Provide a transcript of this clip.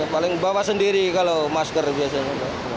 paling bawa sendiri kalau masker biasanya